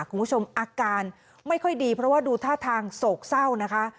คุณผู้ชมอาการไม่ค่อยดีเพราะว่าดูท่าทางโศกเศร้านะคะ